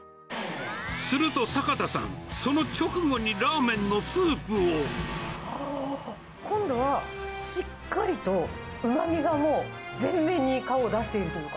すると坂田さん、その直後に今度はしっかりとうまみがもう、全面に顔を出しているというか。